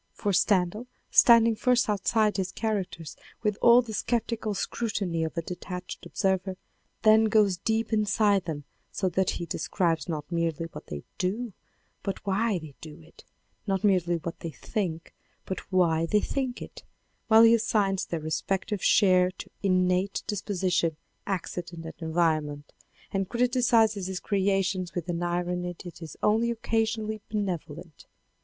For Stendhal standing first outside his characters with all the sceptical scrutiny of a detached observer, then goes deep inside them so that he de scribes not merely what they do, but why they do it, not merely what they think, but why they think it, while he assigns their respective share to innate dis position, accident, and environment, and criticizes his creations with an irony that is only occasionally benevolent.